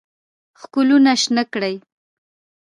ښکلونه شنه کړي